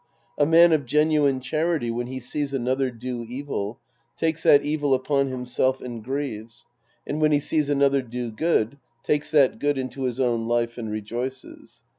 A man of genuine charity, when he sees another do evil, takes that evil upon himself and grieves, and when he sees another do good, takes that good into his own life and rejoices.